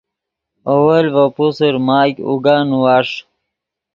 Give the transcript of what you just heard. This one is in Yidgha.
اول ڤے پوسر ماگ اوگا نیواݰ